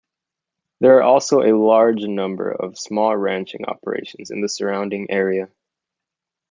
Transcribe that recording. There are also a large number of small ranching operations in the surrounding area.